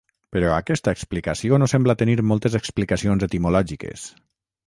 Però aquesta explicació no sembla tenir moltes explicacions etimològiques.